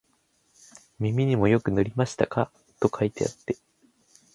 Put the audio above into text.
耳にもよく塗りましたか、と書いてあって、